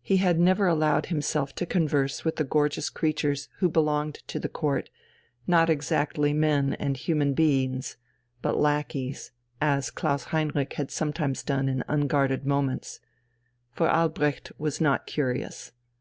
He had never allowed himself to converse with the gorgeous creatures who belonged to the court, not exactly men and human beings, but lackeys as Klaus Heinrich had sometimes done in unguarded moments. For Albrecht was not curious.